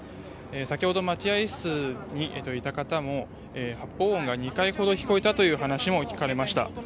先ほど待合室にいた方も発砲音が２回ほど聞こえたという話も聞かれました。